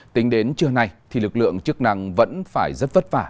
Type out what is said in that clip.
tính đến trưa nay thì lực lượng chức năng vẫn phải rất vất vả